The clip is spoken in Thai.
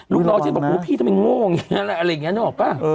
ลูกน้องฉันบอกอู้พี่ทำไมง่วงอะไรอย่างเงี้ยน้องหอบป่ะ